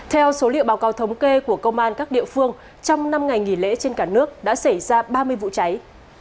theo số liệu báo cáo thống kê của công an các địa phương trong năm ngày nghỉ lễ trên cả nước đã xảy ra ba mươi vụ cháy